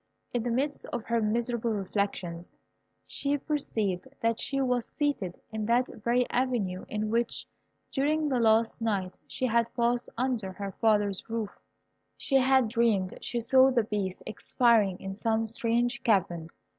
In the midst of her miserable reflections she perceived that she was seated in that very avenue in which, during the last night she had passed under her father's roof, she had dreamed she saw the Beast expiring in some strange cavern.